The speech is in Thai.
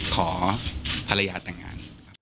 ขอภรรยาต่างงาน